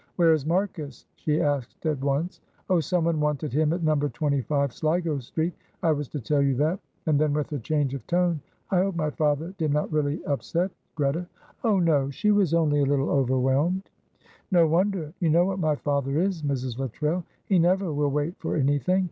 "Where is Marcus?" she asked at once. "Oh, someone wanted him at No. 25, Sligo Street. I was to tell you that," and then, with a change of tone, "I hope my father did not really upset Greta." "Oh, no; she was only a little overwhelmed." "No wonder! You know what my father is, Mrs. Luttrell. He never will wait for anything.